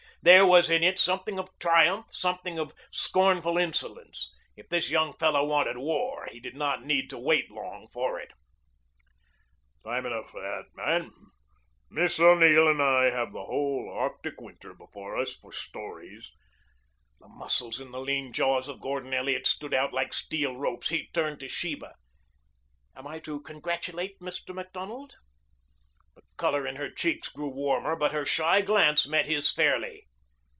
There was in it something of triumph, something of scornful insolence. If this young fellow wanted war, he did not need to wait long for it. "Time enough for that, man. Miss O'Neill and I have the whole Arctic winter before us for stories." The muscles in the lean jaws of Gordon Elliot stood out like steel ropes. He turned to Sheba. "Am I to congratulate Mr. Macdonald?" The color in her cheeks grew warmer, but her shy glance met his fairly.